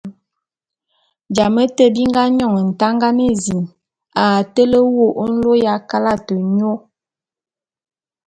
Jame té bi nga nyòn Ntangan ézin a tele wô nlô ya kalate nyô.